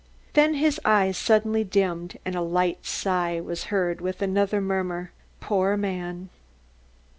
Then his eyes suddenly dimmed and a light sigh was heard, with another murmur, "Poor man."